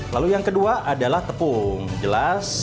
lalu yang kedua adalah tepung jelas